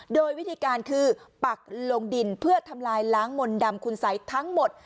โดยวิธีการคือปักลงดินเพื่อทำลายล้างมนต์ดำคุณสัยทั้งหมด